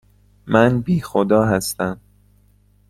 من بی خدا هستم.